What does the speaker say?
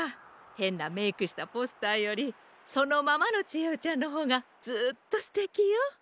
へんなメークしたポスターよりそのままのちえおちゃんのほうがずっとすてきよ。